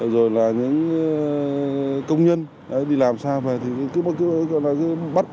rồi là những công nhân đi làm sao về